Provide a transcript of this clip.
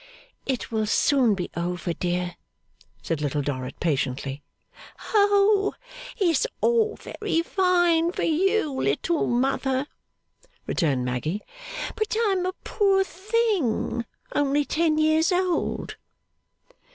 'It will soon be over, dear,' said Little Dorrit patiently. 'Oh it's all very fine for you, little mother,' returned Maggy, 'but I'm a poor thing, only ten years old.